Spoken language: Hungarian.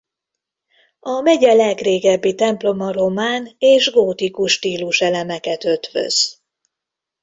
A megye legrégebbi temploma román és gótikus stíluselemeket ötvöz.